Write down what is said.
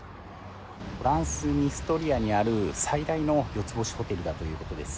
トランスニストリアにある最大の４つ星ホテルだということです。